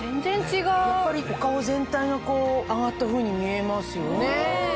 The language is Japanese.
やっぱりお顔全体が上がったふうに見えますよね。